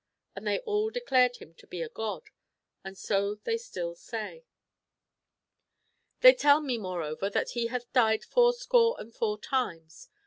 And they all declared him to be a god ; and so they still say.'* They tell moreover that he hath died fourscore and four times.